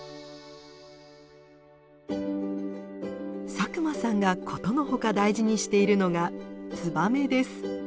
佐久間さんがことのほか大事にしているのがツバメです。